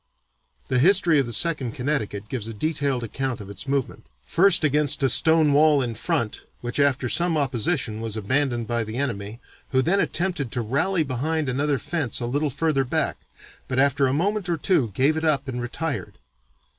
The history of the Second Connecticut gives a detailed account of its movement, first against a stone wall in front which after some opposition was abandoned by the enemy, who then "attempted to rally behind another fence a little further back, but after a moment or two gave it up and 'retired.'